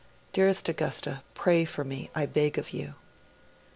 Dearest Augusta, pray for me, I beg of you.'